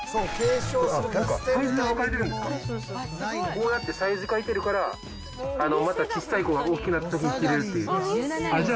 こうやってサイズ書いてるからまた小さい子が大きくなった時に着れるっていう。